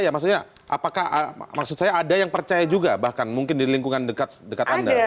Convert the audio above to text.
maksud saya ada yang percaya juga bahkan mungkin di lingkungan dekat anda